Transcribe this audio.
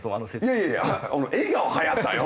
いやいやいや映画ははやったよ。